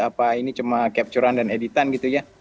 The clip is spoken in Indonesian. apa ini cuma capture an dan editan gitu ya